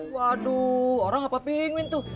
waduh orang apa pingin tuh